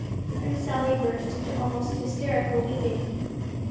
and Sally burst into almost hysterical weeping.